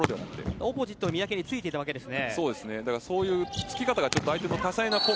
オポジットの三宅についていたわけですね。